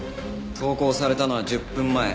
投稿されたのは１０分前。